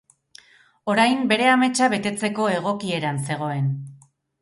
Orain bere ametsa betetzeko egokieran zegoen.